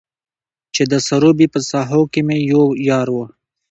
چې د سروبي په سهاکو کې مې يو يار و.